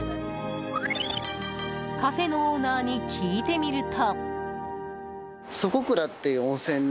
カフェのオーナーに聞いてみると。